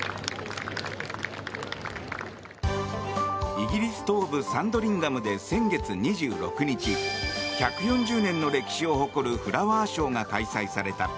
イギリス東部サンドリンガムで先月２６日１４０年の歴史を誇るフラワーショーが開催された。